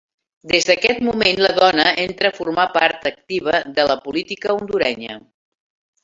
Des d'aquest moment la dona entra a formar part activa de la política hondurenya.